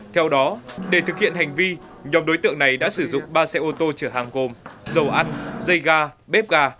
theo đó để thực hiện hành vi nhóm đối tượng này đã sử dụng ba xe ô tô chở hàng gồm dầu ăn dây ga bếp ga